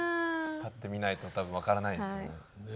立ってみないと多分分からないですね。